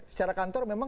secara kantor memang